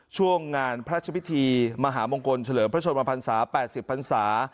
ช่วงงานพระพิธีมหามงคลเฉลิมพระชนมพันศา๘๐พันศา